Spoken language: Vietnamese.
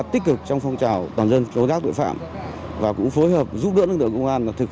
tích cực trong phong trào toàn dân tố giác tội phạm và cũng phối hợp giúp đỡ lực lượng công an thực